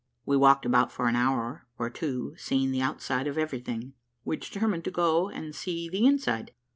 We walked about for an hour or two seeing the outside of everything: we determined to go and see the inside.